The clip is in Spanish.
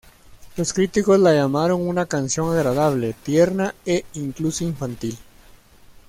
Los críticos la llamaron una canción agradable, tierna e incluso infantil.